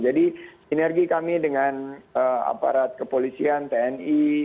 jadi sinergi kami dengan aparat kepolisian tni